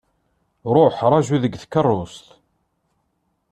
Ṛuḥ ṛaju deg tkeṛṛust.